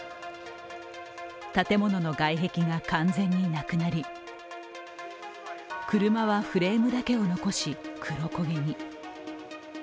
建物の外壁が完全になくなり、車はフレームだけを残し、黒焦げに。